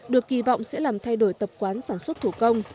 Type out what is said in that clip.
được kỳ vọng sẽ làm thay đổi tập quán sản xuất thủ công